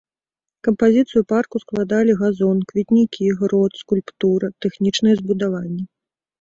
Кампазіцыю парку складалі газон, кветнікі, грот, скульптура, тэхнічныя збудаванні.